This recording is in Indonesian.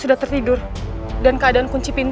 udah gak apa kalian